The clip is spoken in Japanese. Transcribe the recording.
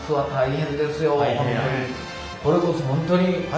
これこそ本当に。